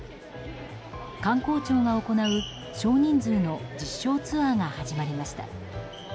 観光庁が行う少人数の実証ツアーが始まりました。